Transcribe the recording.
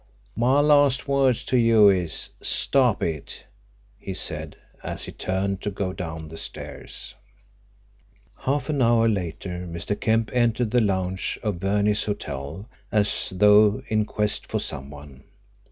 "My last words to you is, Stop it!" he said, as he turned to go down the stairs. Half an hour later Mr. Kemp entered the lounge of Verney's Hotel as though in quest of some one.